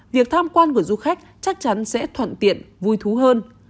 việc tham quan của du khách chắc chắn sẽ thuận tiện vui thú hơn